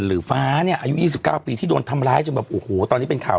หรือฟ้าเนี้ยอายุยี่สิบเก้าปีที่โดนทำร้ายจนแบบโอ้โหตอนนี้เป็นข่าว